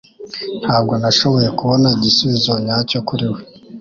Ntabwo nashoboye kubona igisubizo nyacyo kuri we.